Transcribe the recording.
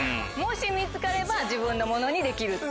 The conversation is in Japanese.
見つかれば自分のものにできる。